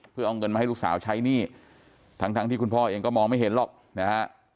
เพื่อเอาเงินมาให้ลูกสาวใช้หนี้ทั้งทั้งที่คุณพ่อเองก็มองไม่เห็นหรอกนะฮะ